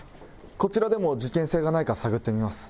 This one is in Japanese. こちらでも事件性がないか探ってみます。